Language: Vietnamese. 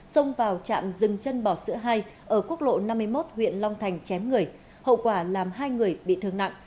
xông vào trạm dừng chân bỏ sữa hai ở quốc lộ năm mươi một huyện long thành chém người hậu quả làm hai người bị thương nặng